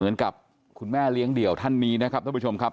เหมือนกับคุณแม่เลี้ยงเดี่ยวท่านนี้นะครับท่านผู้ชมครับ